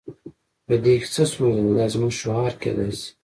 په دې کې څه ستونزه ده دا زموږ شعار کیدای شي